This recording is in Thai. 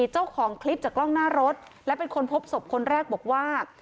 เจ้าของคลิปจากกล้องหน้ารถและเป็นคนพบศพคนแรกบอกว่า